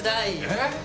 えっ？